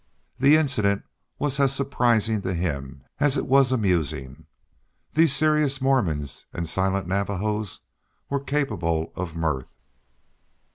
The incident was as surprising to him as it was amusing. These serious Mormons and silent Navajos were capable of mirth.